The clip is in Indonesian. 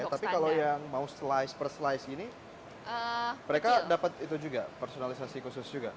tapi kalau yang mau slice per slice gini mereka dapat itu juga personalisasi khusus juga